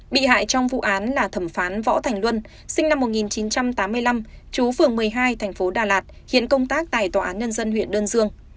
bị hại trong vụ án là thẩm phán võ thành luân sinh năm một nghìn chín trăm tám mươi năm chú phường một mươi hai thành phố đà lạt hiện công tác tại tòa án nhân dân huyện đơn dương